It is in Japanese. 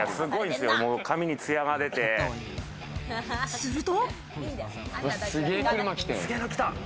すると。